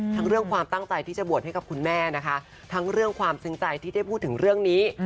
เรื่องความตั้งใจที่จะบวชให้กับคุณแม่นะคะทั้งเรื่องความซึ้งใจที่ได้พูดถึงเรื่องนี้